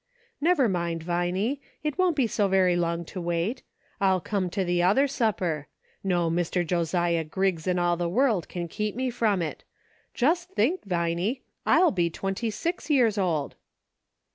" Never mind, Vinie, it won't be so very long to wait. I'll come to the other supper ; no Mr. Josiah Griggs in all the world can keep me from it ; just think, Vinie, I'll be twenty six years old